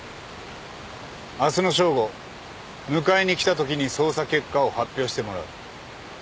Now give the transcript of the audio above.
明日の正午迎えに来たときに捜査結果を発表してもらう。